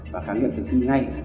và khám nghiệm từ khi ngay